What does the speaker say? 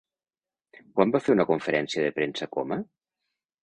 Quan va fer una conferència de premsa Coma?